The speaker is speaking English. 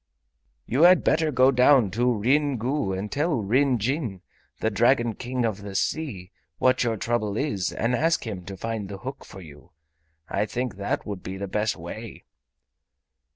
"You had better go down to Ryn Gu and tell Ryn Jin, the Dragon King of the Sea, what your trouble is and ask him to find the hook for you. I think that would be the best way."